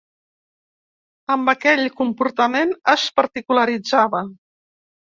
Amb aquell comportament es particularitzava.